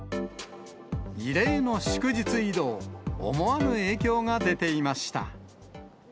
異例の祝日移動、思わぬ影響が出ていました。